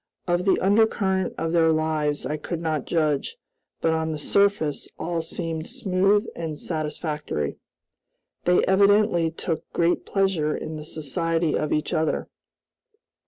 Of the undercurrent of their lives I could not judge, but on the surface all seemed smooth and satisfactory. They evidently took great pleasure in the society of each other.